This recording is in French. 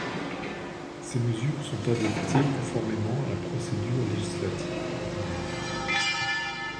Ces mesures sont adoptées conformément à la procédure législative ordinaire.